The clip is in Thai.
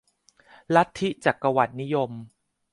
ลัทธิจักรวรรดินิยม